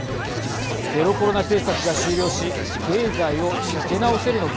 ゼロコロナ政策が終了し経済を立て直せるのか。